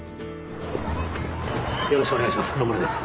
よろしくお願いします。